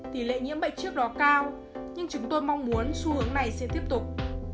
tỷ lệ nhiễm bệnh trước đó cao nhưng chúng tôi mong muốn xu hướng này sẽ tiếp tục